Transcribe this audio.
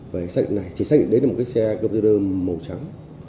về xác định này chỉ xác định đến một cái xe goproder màu trắng